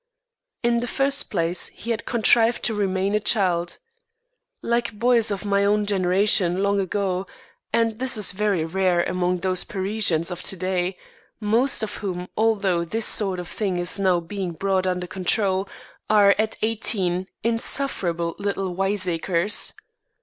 In the first place he had contrived to remain a child, like boys of my own generation long ago, and this is very rare among young Parisians of to day, most of whom, although this sort of thing is now being brought under control, are at eighteen insufferable little wiseacres.